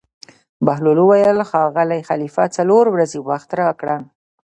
بهلول وویل: ښاغلی خلیفه څلور ورځې وخت راکړه.